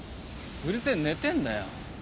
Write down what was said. うるせえ寝てんだよ。